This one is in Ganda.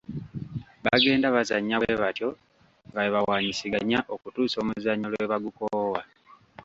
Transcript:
Bagenda bazannya bwe batyo nga bwe bawaanyisiganya okutuusa omuzannyo lwe bagukoowa.